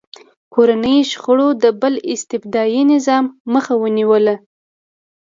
کورنیو شخړو د بل استبدادي نظام مخه ونیوله.